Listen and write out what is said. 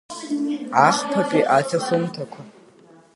Ахԥатәи аҭыхымҭақәа.